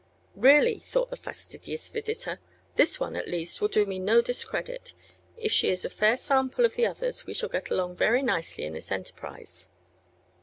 "Really," thought the fastidious visitor, "this one, at least, will do me no discredit. If she is a fair sample of the others we shall get along very nicely In this enterprise."